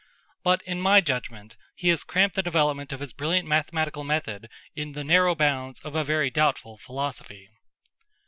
But in my judgment he has cramped the development of his brilliant mathematical method in the narrow bounds of a very doubtful philosophy.